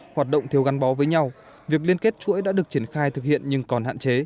hoạt động thiếu gắn bó với nhau việc liên kết chuỗi đã được triển khai thực hiện nhưng còn hạn chế